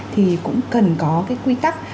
thì cũng cần có quy tắc